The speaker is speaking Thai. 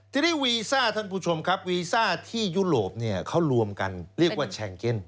ทีนี้วีซ่าท่านผู้ชมครับวีซ่าที่ยุโรปเนี่ยเขารวมกันเรียกว่าแชงเก็น